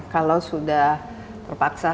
kalau sudah terpaksa